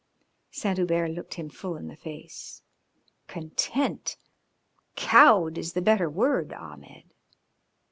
Saint Hubert looked him full in the face. "Content! Cowed is the better word, Ahmed."